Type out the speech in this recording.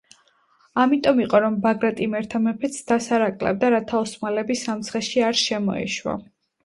ამიტომ იყო, რომ ბაგრატ იმერთა მეფე ცდას არ აკლებდა, რათა ოსმალები სამცხეში არ შემოეშვა.